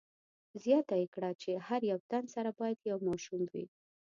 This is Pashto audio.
زیاته یې کړه چې هر یو تن سره باید یو ماشوم وي.